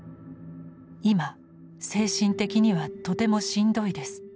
今精神的にはとてもしんどいです。